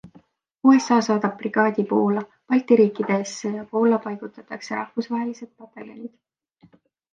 USA saadab brigaadi Poola, Balti riikidesse ja Poola paigutatakse rahvusvahelised pataljonid.